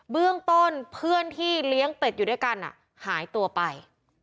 เบื้องต้นเพื่อนที่เลี้ยงเป็ดอยู่ด้วยกันหายตัวไป